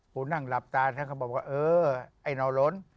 ปู่นั่งหลับตาเขาบอกว่า